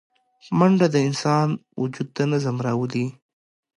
منډه د انسان وجود ته نظم راولي